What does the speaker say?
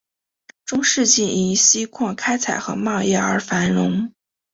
中世纪因锡矿开采和贸易而繁荣。